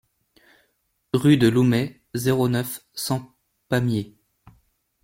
Rue de Loumet, zéro neuf, cent Pamiers